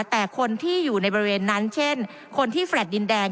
แต่คนที่อยู่ในบริเวณนั้นเช่นคนที่แฟลต์ดินแดง